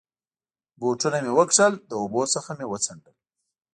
بوټونه مې و کښل، له اوبو څخه مې و څنډل.